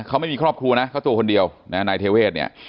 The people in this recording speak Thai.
เขาไม่มีครอบครัวนะเขาตัวคนเดียวนะนายเทเวศเนี่ย